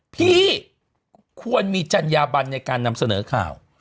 พี่ควรมีจัญญาบันในการนำเสนอข่าว